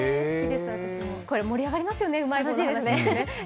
これ、盛り上がりますよね、うまい棒の話ね。